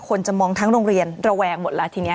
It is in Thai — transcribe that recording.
คนจะมองทั้งโรงเรียนระแวงหมดแล้วทีนี้